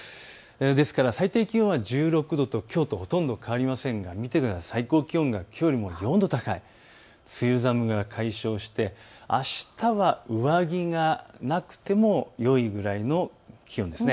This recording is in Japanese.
ですから最低気温は１６度とほとんど変わりませんが最高気温がきょうよりも４度高い、梅雨寒が解消して、あしたは上着がなくてもよいぐらいの気温です。